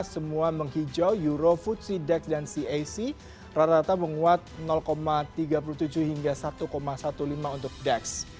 semua menghijau euro futsidex dan cac rata rata menguat tiga puluh tujuh hingga satu lima belas untuk dex